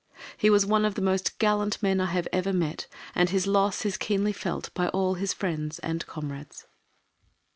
He was one of the most gallant men I have ever met, and his loss is keenly felt by all his friends and comrades.